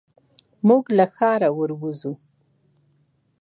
موږ له ښاره ور وځو.